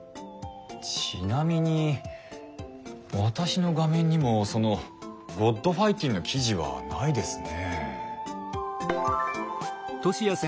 ちなみに私の画面にもその「ｇｏｄファイティン」の記事はないですね。